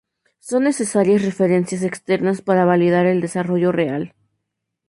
Son necesarias referencias externas para validar el desarrollo real.